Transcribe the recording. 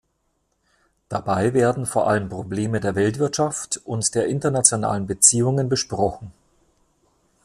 Dabei werden vor allem Probleme der Weltwirtschaft und der internationalen Beziehungen besprochen.